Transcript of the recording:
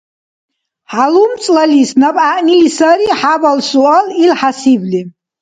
ХӀялумцӀлалис наб гӀягӀнили сари хӀябал суал ил хӀясибли